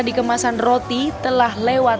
di kemasan roti telah lewat